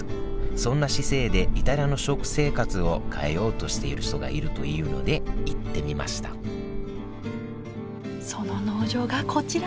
そんな姿勢でイタリアの食生活を変えようとしている人がいるというので行ってみましたその農場がこちら！